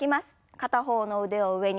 片方の腕を上に。